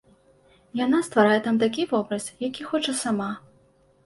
Яна стварае там такі вобраз, які хоча сама.